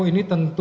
dpo ini tentu